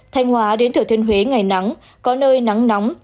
thanh hóa đến thử thiên huế ngày nắng có nơi nắng nóng